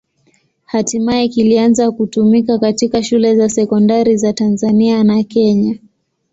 Hatimaye kilianza kutumika katika shule za sekondari za Tanzania na Kenya.